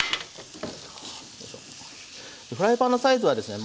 フライパンのサイズはですね